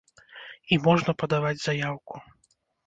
І можна падаваць заяўку.